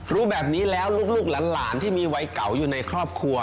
รู้แบบนี้แล้วลูกหลานที่มีวัยเก่าอยู่ในครอบครัว